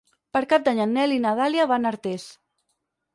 Per Cap d'Any en Nel i na Dàlia van a Artés.